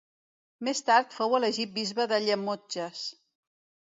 Més tard fou elegit bisbe de Llemotges.